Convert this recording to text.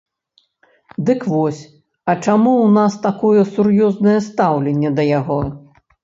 Дык вось, а чаму ў нас такое сур'ёзнае стаўленне да яго?